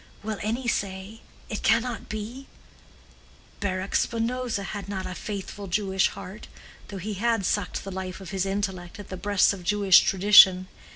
Will any say 'It cannot be'? Baruch Spinoza had not a faithful Jewish heart, though he had sucked the life of his intellect at the breasts of Jewish tradition.